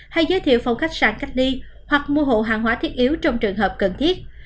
hay giới thiệu phòng khách sạn cách ly hoặc mua hộ hàng hóa thiết yếu trong trường hợp cần thiết